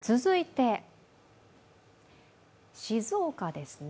続いて静岡ですね。